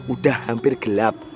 udah hampir gelap